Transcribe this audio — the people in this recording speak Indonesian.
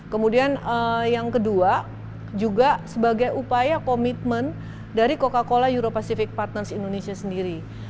kemudian yang kedua juga sebagai upaya komitmen dari coca cola euro pacific partners indonesia sendiri